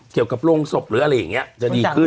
เกี่ยวกับโรงศพหรืออะไรอย่างนี้จะดีขึ้น